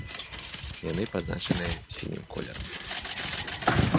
Яны пазначаныя сінім колерам.